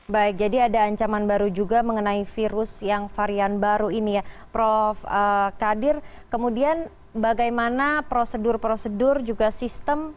baik jadi ada ancaman baru juga mengenai virus yang varian baru ini ya prof kadir kemudian bagaimana prosedur prosedur juga sistem